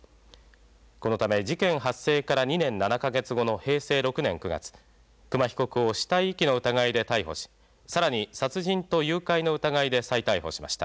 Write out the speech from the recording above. このため事件発生から２年７か月後の平成６年９月久間被告を死体遺棄の疑いで逮捕し更に殺人と誘拐の疑いで再逮捕しました。